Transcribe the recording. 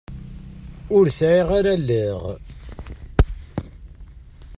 Ur sɛiɣ ara allaɣ.